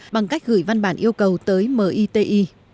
bằng cách gửi văn bản yêu cầu tới meti